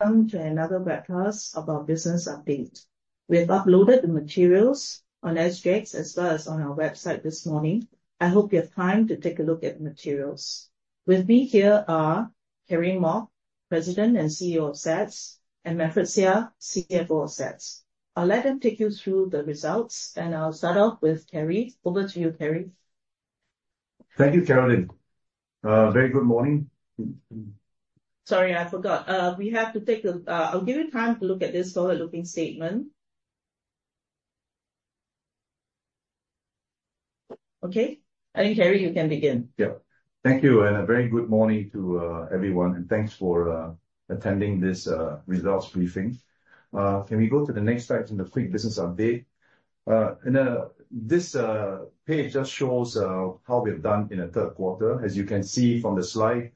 Thank you to another breakfast of our business update. We have uploaded the materials on SGX as well as on our website this morning. I hope you have time to take a look at the materials. With me here are Kerry Mok, President and CEO of SATS, and Manfred Seah, CFO of SATS. I'll let them take you through the results, and I'll start off with Kerry. Over to you, Kerry. Thank you, Carolyn. Very good morning. Sorry, I forgot. We have to take a. I'll give you time to look at this forward-looking statement. Okay, I think Kerry, you can begin. Yeah, thank you, and a very good morning to everyone, and thanks for attending this results briefing. Can we go to the next slide in the quick business update? This page just shows how we have done in the third quarter. As you can see from the slide,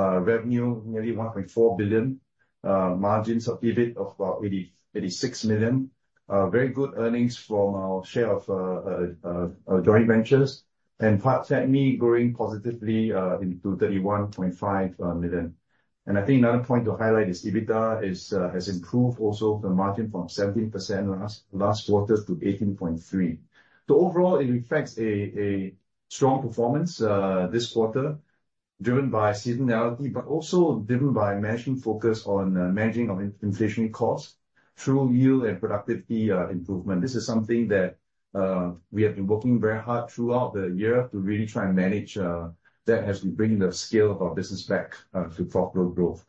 revenue nearly 1.4 billion, margins of EBIT of about 80 million-86 million. Very good earnings from our share of joint ventures, and PATMI growing positively into 31.5 million. And I think another point to highlight is EBITDA has improved also the margin from 17% last quarter to 18.3%. So overall, it reflects a strong performance this quarter, driven by seasonality, but also driven by our focus on managing our inflationary costs through yield and productivity improvement. This is something that we have been working very hard throughout the year to really try and manage that has to bring the scale of our business back to profitable growth.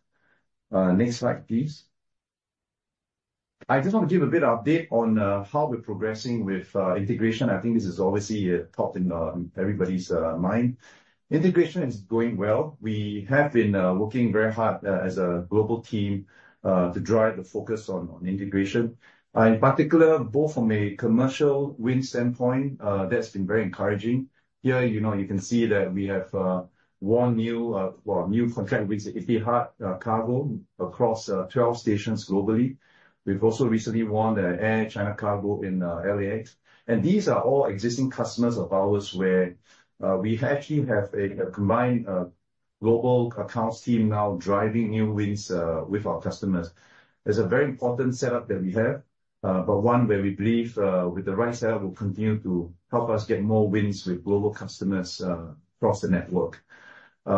Next slide, please. I just want to give a bit of update on how we're progressing with integration. I think this is obviously a top in in everybody's mind. Integration is going well. We have been working very hard as a global team to drive the focus on integration. In particular, both from a commercial win standpoint, that's been very encouraging. Here, you know, you can see that we have won new, well, new contract wins at Etihad Cargo across 12 stations globally. We've also recently won the Air China Cargo in LAX. These are all existing customers of ours where we actually have a combined global accounts team now driving new wins with our customers. It's a very important setup that we have, but one where we believe with the right setup will continue to help us get more wins with global customers across the network.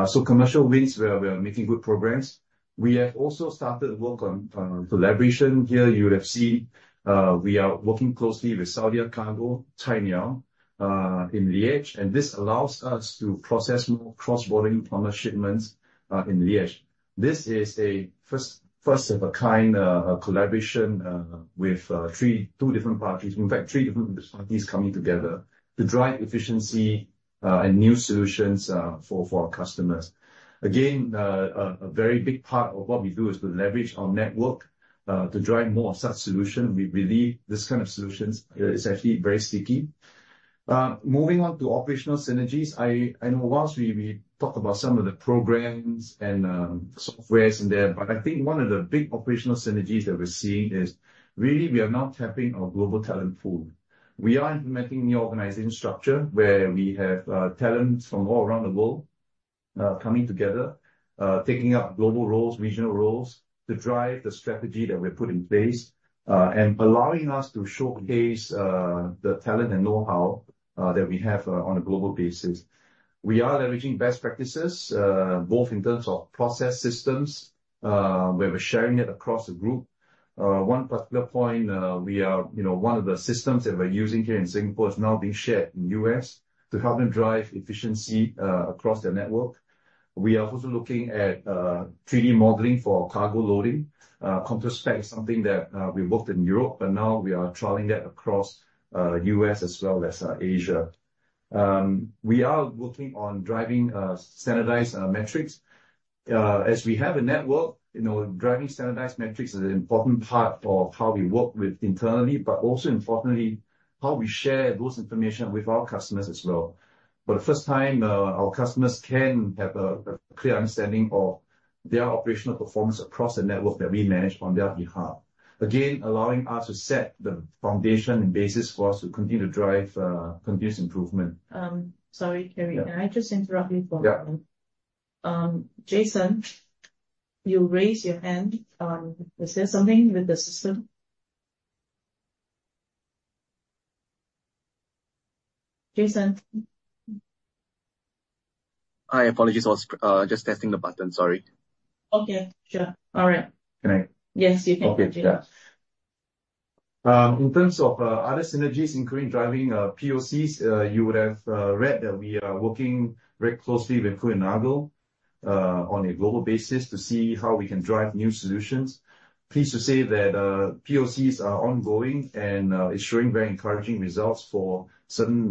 So commercial wins where we're making good progress. We have also started work on collaboration. Here you would have seen we are working closely with Saudi Cargo, SF Express, in Liège, and this allows us to process more cross-border partner shipments in Liège. This is a first of a kind collaboration with three-two different parties, in fact, three different parties coming together to drive efficiency and new solutions for our customers. Again a very big part of what we do is to leverage our network to drive more of such solutions. We believe this kind of solutions is actually very sticky. Moving on to operational synergies, I, I know while we, we talk about some of the programs and, software and there, but I think one of the big operational synergies that we're seeing is really we are now tapping our global talent pool. We are implementing new organization structure where we have, talents from all around the world, coming together, taking up global roles, regional roles, to drive the strategy that we have put in place, and allowing us to showcase, the talent and know-how, that we have, on a global basis. We are leveraging best practices, both in terms of process systems, where we're sharing it across the group. One particular point, we are, you know, one of the systems that we're using here in Singapore is now being shared in the U.S. to help them drive efficiency across their network. We are also looking at 3D modeling for cargo loading. Computer-based is something that we worked in Europe, but now we are trialing that across U.S. as well as Asia. We are working on driving standardized metrics. As we have a network, you know, driving standardized metrics is an important part of how we work with internally, but also importantly, how we share those information with our customers as well. For the first time, our customers can have a clear understanding of their operational performance across the network that we manage on their behalf. Again, allowing us to set the foundation and basis for us to continue to drive continuous improvement. Sorry, Kerry, can I just interrupt you for a moment? Yeah. Jason, you raised your hand. Is there something with the system? Jason? Hi, apologies. I was just testing the button, sorry. Okay, sure. All right. Can I? Yes, you can. Okay, yeah. In terms of other synergies, including driving POCs, you would have read that we are working very closely with Kuehne+Nagel on a global basis to see how we can drive new solutions. Pleased to say that POCs are ongoing and is showing very encouraging results for certain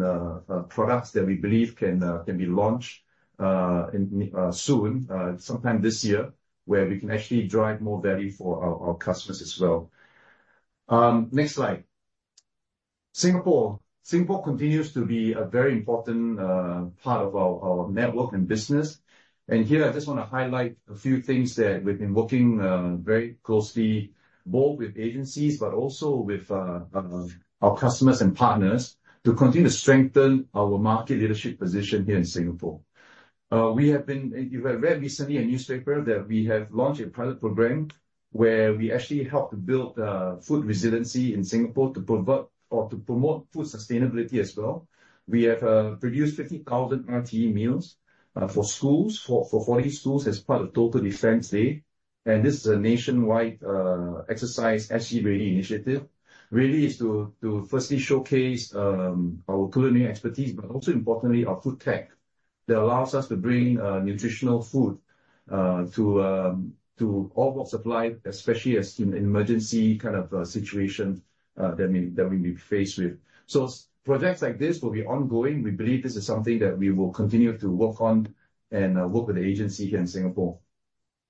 products that we believe can, can be launched in soon, sometime this year, where we can actually drive more value for our our customers as well. Next slide. Singapore. Singapore continues to be a very important part of our our network and business. And here I just want to highlight a few things that we've been working very closely both with agencies but also with our customers and partners to continue to strengthen our market leadership position here in Singapore. We have been—you have read recently a newspaper that we have launched a pilot program where we actually help to build food resiliency in Singapore to provoke or to promote food sustainability as well. We have produced 50,000 RTE meals for schools, for 40 schools as part of Total Defence Day. And this is a nationwide exercise SG Ready initiative. Really is to firstly showcase our culinary expertise, but also importantly, our food tech that allows us to bring nutritional food to all world supply, especially as in an emergency kind of situation that we may be faced with. So projects like this will be ongoing. We believe this is something that we will continue to work on and work with the agency here in Singapore.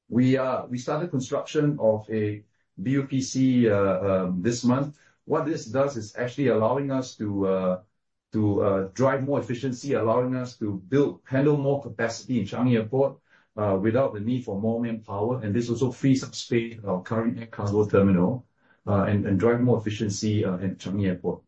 We started construction of a BUPC this month. What this does is actually allowing us to drive more efficiency, allowing us to build, handle more capacity in Changi Airport, without the need for more manpower, and this also frees up space in our current air cargo terminal, and drive more efficiency in Changi Airport.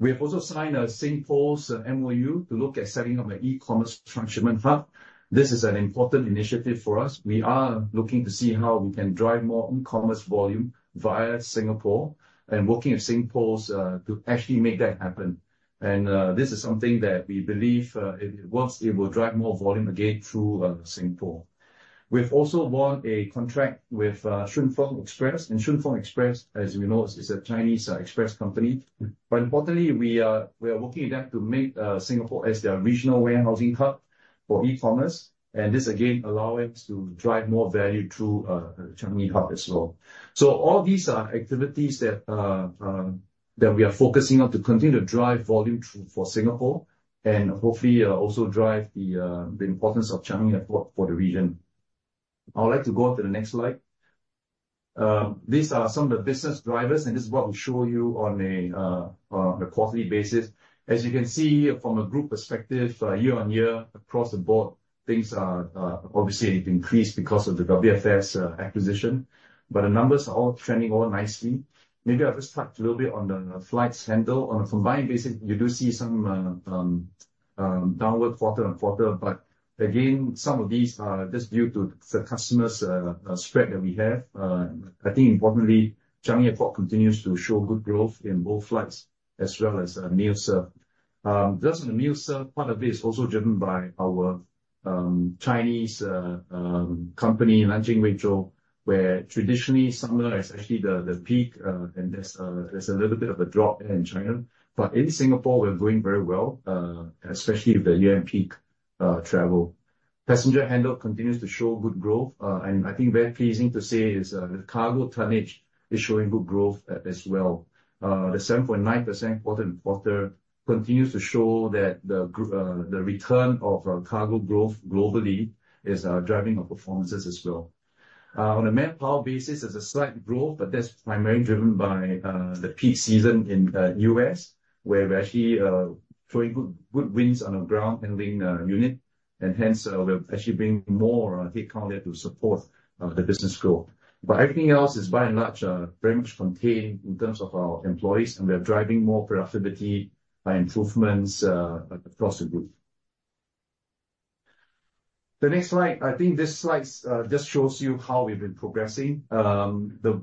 We have also signed a SingPost MOU to look at setting up an e-commerce transshipment hub. This is an important initiative for us. We are looking to see how we can drive more e-commerce volume via Singapore and working with SingPost to actually make that happen. This is something that we believe, if it works, it will drive more volume again through Singapore. We have also won a contract with Shunfeng Express, and Shunfeng Express, as you know, is a Chinese express company. But importantly, we are working with them to make Singapore as their regional warehousing hub for e-commerce, and this again allows us to drive more value through the Changi hub as well. So all these are activities that we are focusing on to continue to drive volume through for Singapore and hopefully also drive the importance of Changi Airport for the region. I would like to go to the next slide. These are some of the business drivers, and this is what we show you on a quarterly basis. As you can see, from a group perspective, year-on-year, across the board, things are obviously increased because of the WFS acquisition, but the numbers are all trending nicely. Maybe I'll just touch a little bit on the flights handled. On a combined basis, you do see some downward quarter-over-quarter, but again, some of these are just due to the customers spread that we have. I think importantly, Changi Airport continues to show good growth in both flights as well as meal serve. Just on the meal serve, part of it is also driven by our Chinese company, Nanjing Weizhou, where traditionally summer is actually the peak, and there's a little bit of a drop there in China. But in Singapore, we're doing very well, especially with the year-end peak travel. Passenger handle continues to show good growth, and I think very pleasing to say is the cargo tonnage is showing good growth as well. The 7.9% quarter-over-quarter continues to show that the return of cargo growth globally is driving our performances as well. On a manpower basis, there's a slight growth, but that's primarily driven by the peak season in U.S., where we're actually showing good wins on our ground handling unit, and hence, we're actually bringing more headcount there to support the business growth. But everything else is by and large very much contained in terms of our employees, and we are driving more productivity by improvements across the group. The next slide, I think this slide, just shows you how we've been progressing. The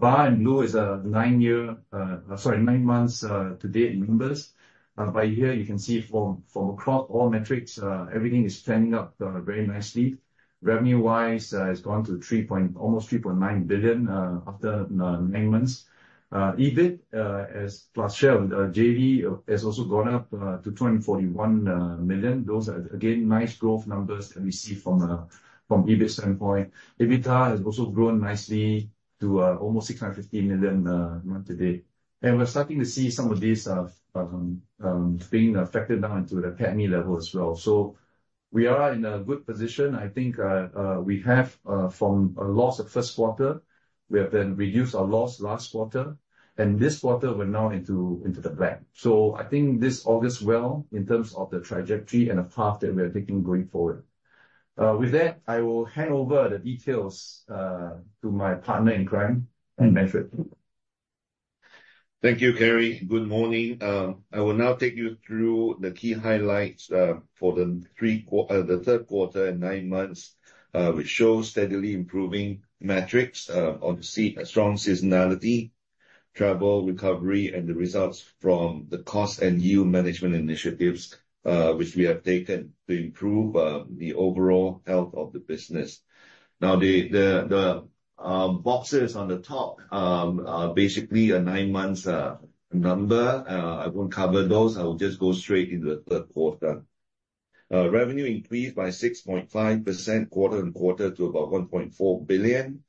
bar in blue is a nine months to date in numbers. By here, you can see from across all metrics, everything is trending up very nicely. Revenue-wise, it's gone to almost 3.9 billion after nine months. EBIT, as plus share with JV, has also gone up to 241 million. Those are again nice growth numbers that we see from a EBIT standpoint. EBITDA has also grown nicely to almost 650 million month to date. And we're starting to see some of these being affected now into the PATMI level as well. So we are in a good position. I think we have, from a loss of first quarter, we have then reduced our loss last quarter, and this quarter we're now into the black. So I think this augurs well in terms of the trajectory and the path that we are taking going forward. With that, I will hand over the details to my partner in crime, Manfred. Thank you, Kerry. Good morning. I will now take you through the key highlights for the third quarter and nine months, which show steadily improving metrics on to see a strong seasonality, travel recovery, and the results from the cost and yield management initiatives, which we have taken to improve the overall health of the business. Now, the boxes on the top are basically a nine-months number. I won't cover those. I will just go straight into the third quarter. Revenue increased by 6.5% quarter-on-quarter to about 1.4 billion,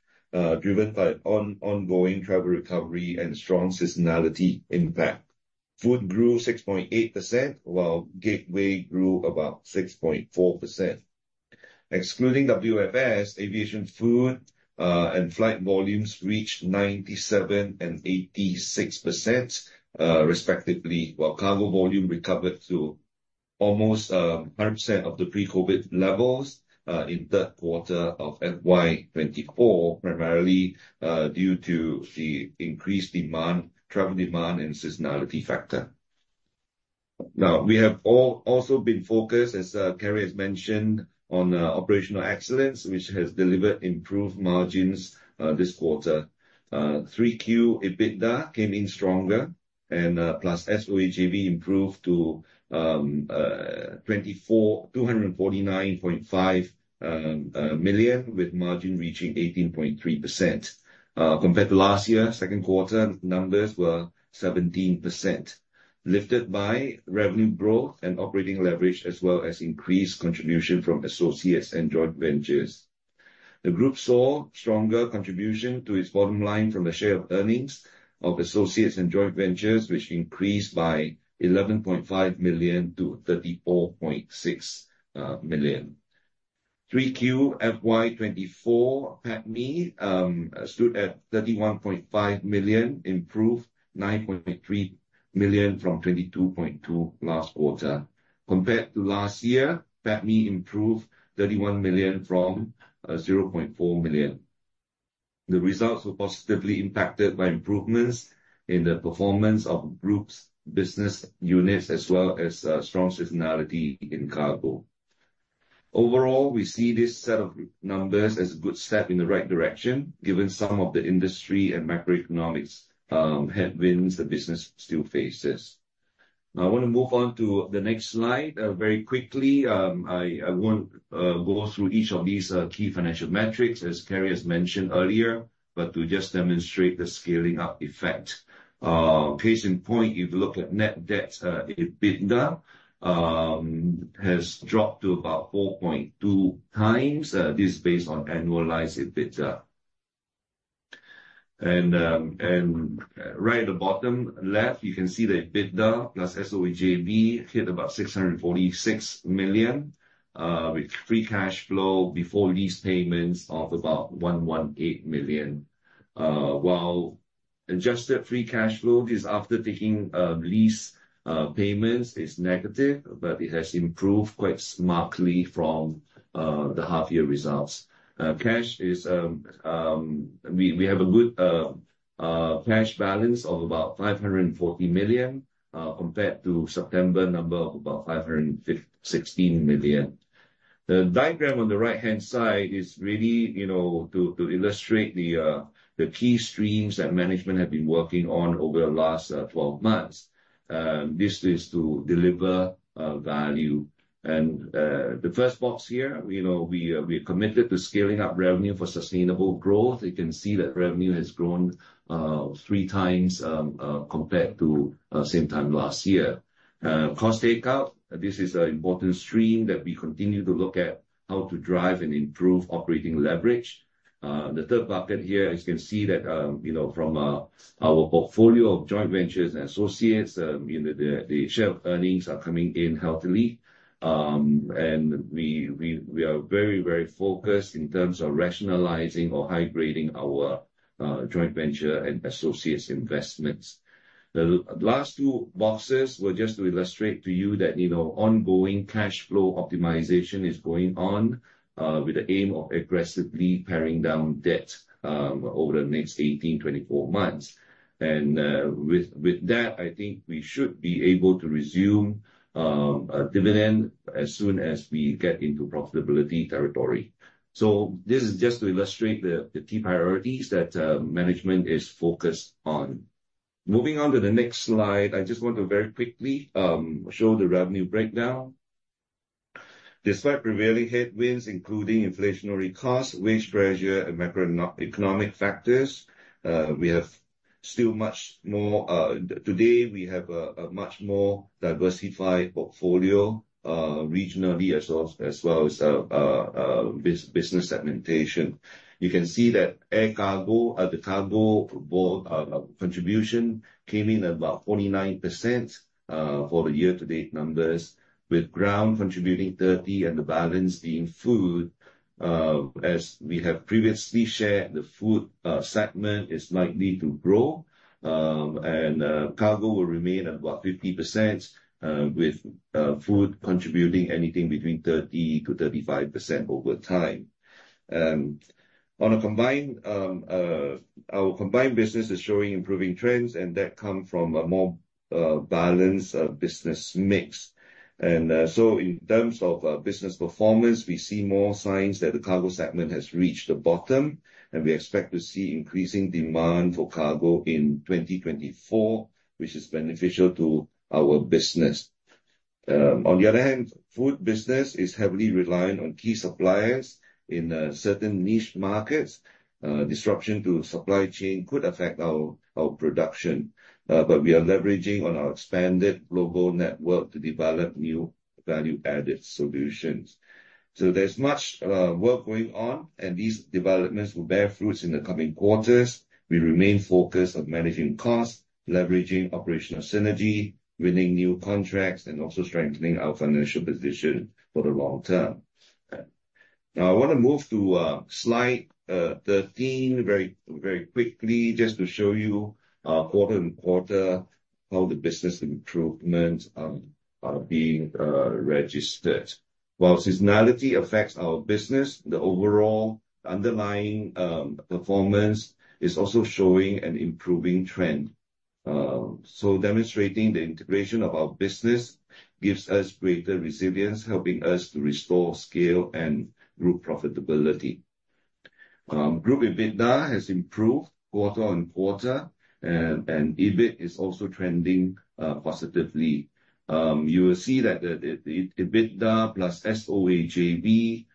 driven by ongoing travel recovery and strong seasonality impact. Food grew 6.8%, while Gateway grew about 6.4%. Excluding WFS, aviation food and flight volumes reached 97% and 86%, respectively, while cargo volume recovered to almost 100% of the pre-COVID levels in third quarter of FY 2024, primarily due to the increased demand, travel demand, and seasonality factor. Now, we have all also been focused, as Kerry has mentioned, on operational excellence, which has delivered improved margins this quarter. 3Q EBITDA came in stronger, and plus SoA/JV improved to 249.5 million, with margin reaching 18.3%. Compared to last year, second quarter numbers were 17%, lifted by revenue growth and operating leverage as well as increased contribution from associates and joint ventures. The group saw stronger contribution to its bottom line from the share of earnings of associates and joint ventures, which increased by 11.5 million to 34.6 million. 3Q FY 2024 PATMI stood at 31.5 million, improved 9.3 million from 22.2 million last quarter. Compared to last year, PATMI improved 31 million from 0.4 million. The results were positively impacted by improvements in the performance of group's business units as well as strong seasonality in cargo. Overall, we see this set of numbers as a good step in the right direction, given some of the industry and macroeconomic headwinds the business still faces. Now, I want to move on to the next slide very quickly. I, I won't go through each of these key financial metrics, as Kerry has mentioned earlier, but to just demonstrate the scaling-up effect. Case in point, if you look at net debt, EBITDA, has dropped to about 4.2x. This is based on annualized EBITDA. And right at the bottom left, you can see the EBITDA plus SoA/JV hit about 646 million, with free cash flow before lease payments of about 118 million. While adjusted free cash flow, this is after taking lease payments, is negative, but it has improved quite smartly from the half-year results. Cash is, we have a good cash balance of about 540 million, compared to September number of about 516 million. The diagram on the right-hand side is really, you know, to illustrate the key streams that management have been working on over the last 12 months. This is to deliver value. And the first box here, you know, we are committed to scaling up revenue for sustainable growth. You can see that revenue has grown three times, compared to same time last year. Cost takeout, this is an important stream that we continue to look at how to drive and improve operating leverage. The third bucket here, as you can see, you know, from our portfolio of joint ventures and associates, you know, the share of earnings is coming in healthily. And we are very, very focused in terms of rationalizing or highgrading our joint venture and associates investments. The last two boxes were just to illustrate to you that, you know, ongoing cash flow optimization is going on, with the aim of aggressively paring down debt over the next 18-24 months. And with that, I think we should be able to resume dividend as soon as we get into profitability territory. So this is just to illustrate the key priorities that management is focused on. Moving on to the next slide, I just want to very quickly show the revenue breakdown. Despite prevailing headwinds, including inflationary costs, wage pressure, and macroeconomic factors, we have still much more. Today we have a much more diversified portfolio, regionally as well as business segmentation. You can see that air cargo, the cargo board contribution came in at about 49% for the year-to-date numbers, with ground contributing 30% and the balance being food. As we have previously shared, the food segment is likely to grow, and cargo will remain at about 50%, with food contributing anything between 30%-35% over time. On a combined, our combined business is showing improving trends, and that comes from a more balanced business mix. So in terms of business performance, we see more signs that the cargo segment has reached the bottom, and we expect to see increasing demand for cargo in 2024, which is beneficial to our business. On the other hand, food business is heavily reliant on key suppliers in certain niche markets. Disruption to supply chain could affect our, our production, but we are leveraging on our expanded global network to develop new value-added solutions. So there's much work going on, and these developments will bear fruits in the coming quarters. We remain focused on managing costs, leveraging operational synergy, winning new contracts, and also strengthening our financial position for the long term. Now, I want to move to slide 13 very, very quickly, just to show you quarter-on-quarter how the business improvements are being registered. While seasonality affects our business, the overall underlying performance is also showing an improving trend. So demonstrating the integration of our business gives us greater resilience, helping us to restore scale and group profitability. Group EBITDA has improved quarter-on-quarter, and EBIT is also trending positively. You will see that the EBITDA plus SoA/JV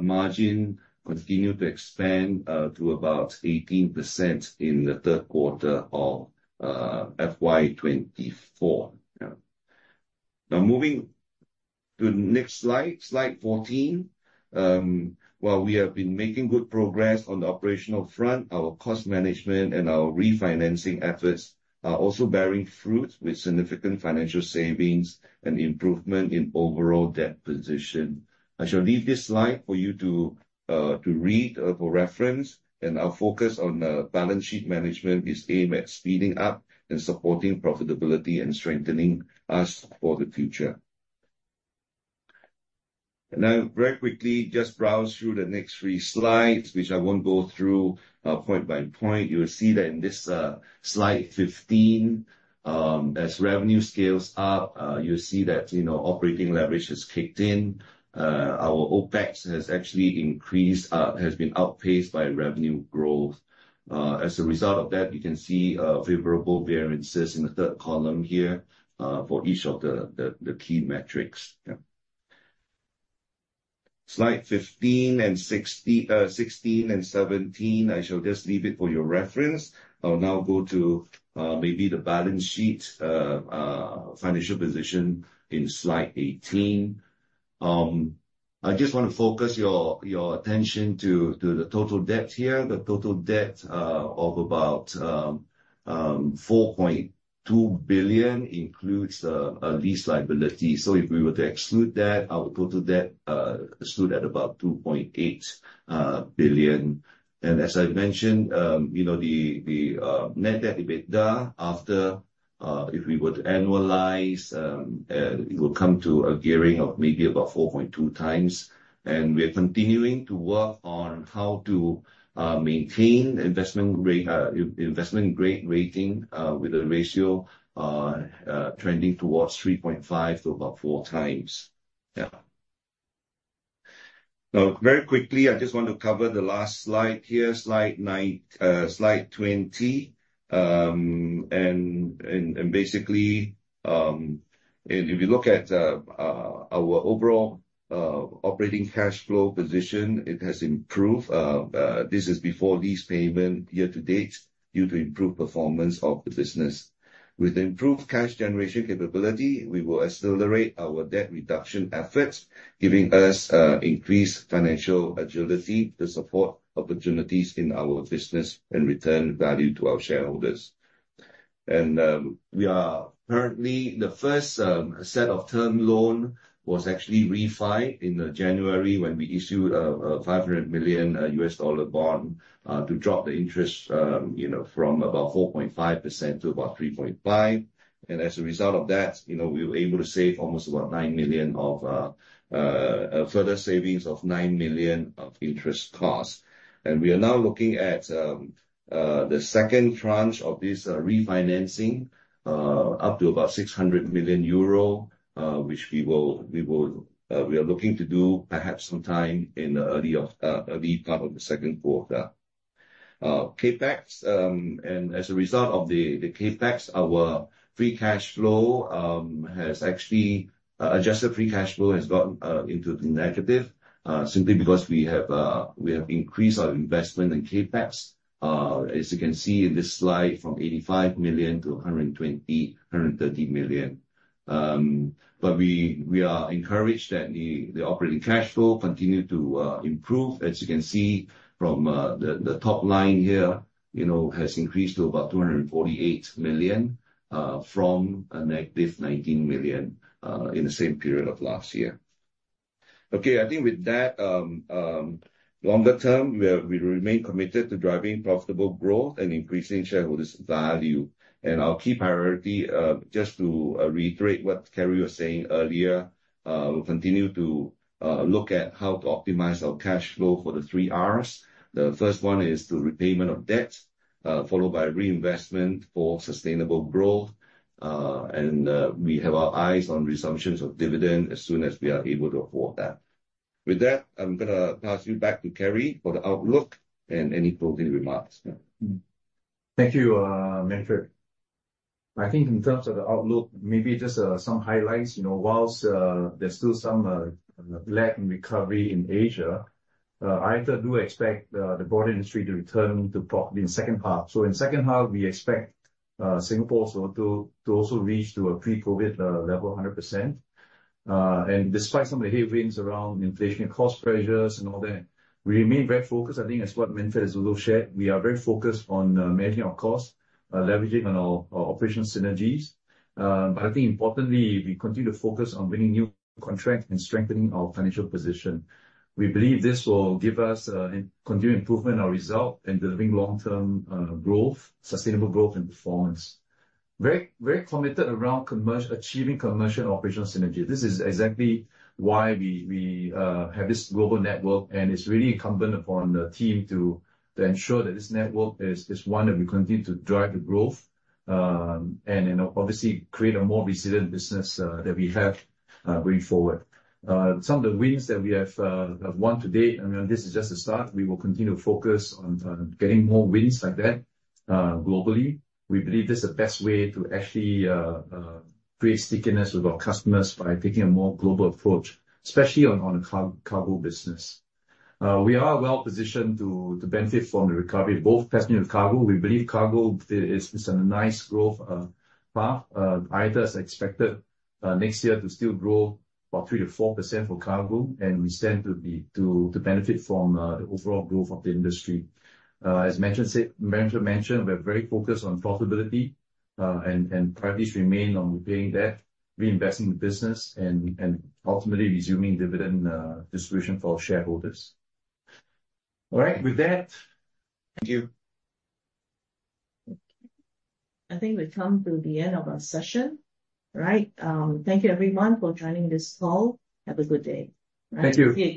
margin continue to expand to about 18% in the third quarter of FY 2024. Yeah. Now, moving to the next slide, slide 14. While we have been making good progress on the operational front, our cost management and our refinancing efforts are also bearing fruit with significant financial savings and improvement in overall debt position. I shall leave this slide for you to read for reference, and our focus on the balance sheet management is aimed at speeding up and supporting profitability and strengthening us for the future. And I'll very quickly just browse through the next three slides, which I won't go through point by point. You will see that in this slide 15, as revenue scales up, you'll see that you know, operating leverage has kicked in. Our OpEx has actually increased, has been outpaced by revenue growth. As a result of that, you can see favorable variances in the third column here for each of the key metrics. Yeah. Slide 15 and 16, 16 and 17, I shall just leave it for your reference. I'll now go to maybe the balance sheet, financial position in slide 18. I just want to focus your attention to the total debt here. The total debt of about 4.2 billion includes lease liability. So if we were to exclude that, our total debt stood at about 2.8 billion. And as I mentioned, you know, the net debt EBITDA after if we were to annualize it will come to a gearing of maybe about 4.2x. And we are continuing to work on how to maintain investment grade rating with a ratio trending towards 3.5-4x. Yeah. Now, very quickly, I just want to cover the last slide here, slide 19, slide 20. And basically, if you look at our overall operating cash flow position, it has improved. This is before lease payment year-to-date due to improved performance of the business. With improved cash generation capability, we will accelerate our debt reduction efforts, giving us increased financial agility to support opportunities in our business and return value to our shareholders. And we are currently; the first set of term loan was actually refi in January when we issued a $500 million dollar bond to drop the interest, you know, from about 4.5% to about 3.5%. And as a result of that, you know, we were able to save almost about $9 million of, further savings of $9 million of interest costs. We are now looking at the second tranche of this refinancing, up to about 600 million euro, which we are looking to do perhaps sometime in the early part of the second quarter. CapEx, and as a result of the CapEx, our free cash flow has actually adjusted free cash flow has gotten into the negative, simply because we have increased our investment in CapEx, as you can see in this slide from 85 million to 120 million-130 million. But we are encouraged that the operating cash flow continue to improve. As you can see from the top line here, you know, has increased to about 248 million, from a -19 million, in the same period of last year. Okay, I think with that, longer term, we are, we remain committed to driving profitable growth and increasing shareholders' value. And our key priority, just to, reiterate what Kerry was saying earlier, we'll continue to, look at how to optimize our cash flow for the three Rs. The first one is the repayment of debt, followed by reinvestment for sustainable growth. And, we have our eyes on resumptions of dividend as soon as we are able to afford that. With that, I'm going to pass you back to Kerry for the outlook and any closing remarks. Yeah. Thank you, Manfred. I think in terms of the outlook, maybe just, some highlights. You know, while, there's still some, lag in recovery in Asia, I do expect, the broader industry to return to probably in the second half. So in the second half, we expect Singapore also to, to also reach to a pre-COVID level 100%. And despite some of the headwinds around inflationary cost pressures and all that, we remain very focused. I think as what Manfred has also shared, we are very focused on managing our costs, leveraging on our, our operational synergies. But I think importantly, we continue to focus on winning new contracts and strengthening our financial position. We believe this will give us continue improvement in our result and delivering long-term growth, sustainable growth and performance. Very, very committed around commercial achieving commercial operational synergy. This is exactly why we, we have this global network, and it's really incumbent upon the team to, to ensure that this network is, is one that we continue to drive the growth, and, and obviously create a more resilient business that we have going forward. Some of the wins that we have, have won to date, I mean, this is just the start. We will continue to focus on, on getting more wins like that, globally. We believe this is the best way to actually, create stickiness with our customers by taking a more global approach, especially on, on the cargo business. We are well positioned to, to benefit from the recovery, both passenger cargo. We believe cargo is, is on a nice growth, path. IATA is expected, next year to still grow about 3%-4% for cargo, and we stand to be, to, to benefit from, the overall growth of the industry. As mentioned, said Manfred mentioned, we're very focused on profitability, and, and priorities remain on repaying debt, reinvesting the business, and, and ultimately resuming dividend, distribution for our shareholders. All right, with that. Thank you. Thank you. I think we've come to the end of our session, right? Thank you everyone for joining this call. Have a good day. Thank you.